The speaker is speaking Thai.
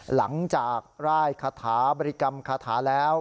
หลังจากร่ายคาถาบริกรรมคาถาแล้ว